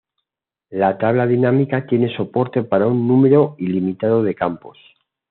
La tabla dinámica tiene soporte para un número ilimitado de campos.